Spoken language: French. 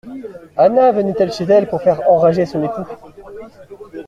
Anna venait-elle chez elle pour faire enrager son époux